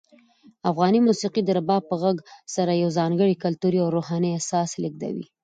افغاني موسیقي د رباب په غږ سره یو ځانګړی کلتوري او روحاني احساس لېږدوي.